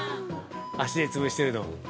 足で潰してるの。